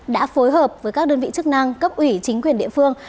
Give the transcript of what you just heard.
đã phối hợp với các đơn vị chức năng cấp ủy chính quyền địa phương